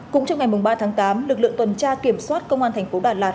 cũng trong ngày ba tháng tám lực lượng tuần tra kiểm soát công an thành phố đà lạt